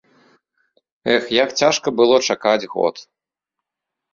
Эх, як цяжка было чакаць год.